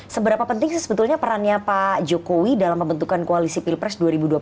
seberapa penting sih sebetulnya perannya pak jokowi dalam pembentukan koalisi pilpres dua ribu dua puluh